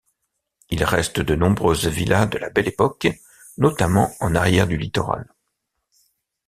Il reste de nombreuses villas de la Belle Époque, notamment en arrière du littoral.